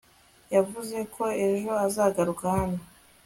yavuze ko ejo azagaruka hano